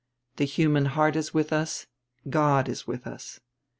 The human heart is with us; God is with us.